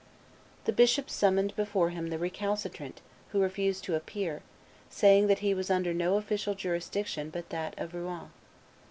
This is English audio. The bishop summoned before him the recalcitrant, who refused to appear, saying that he was under no official jurisdiction but that of Rouen.